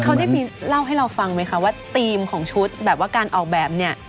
เขาได้มีเล่าให้เราฟังไหมคะว่าธีมของชุดแบบว่าการออกแบบเนี่ย